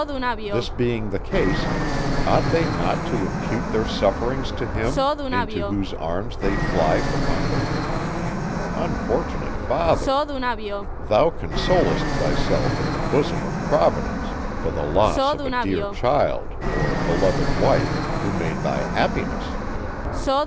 This being the case, ought they not to impute their sufferings to him, into whose arms they fly for comfort? Unfortunate father! Thou consolest thyself in the bosom of Providence, for the loss of a dear child, or beloved wife, who made thy happiness.